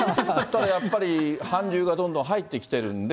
だからやっぱり、韓流がどんどん入ってきているんで。